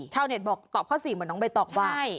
เน็ตบอกตอบข้อ๔เหมือนน้องใบตองว่า